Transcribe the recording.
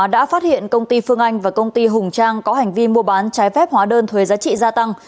đã phát hiện công ty phương anh và công ty hùng trang có hành vi mua bán trái phép hóa đơn thuế giá trị gia tăng